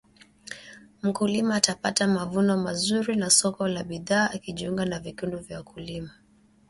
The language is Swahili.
mkulima atapata mavuno mazuri na soko la bidha akijiunga na vikundi vya wakulima